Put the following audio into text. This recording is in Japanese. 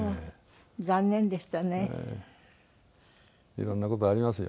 いろんな事ありますよ。